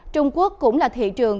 trung quốc cũng là thị trường